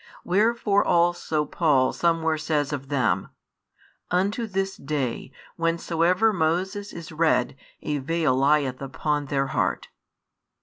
Wherefore also Paul somewhere says of them: Unto this day, whensoever Moses is read, a veil lieth upon their heart.